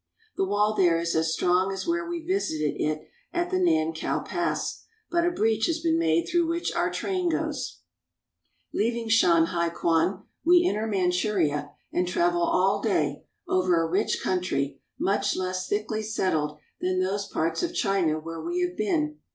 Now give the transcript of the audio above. The wall there is as strong as where we visited it at the Nankow Pass, but a breach has been made through which our train goes. MONGOLIA AND MANCHURIA 147 Leaving Shanhaikwan, we enter Manchuria and travel all day over a rich country much less thickly settled than those parts of China where we have been.